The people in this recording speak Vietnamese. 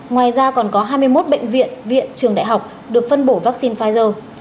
ngoài ra còn có hai mươi một bệnh viện viện trường đại học được phân bổ vaccine pfizer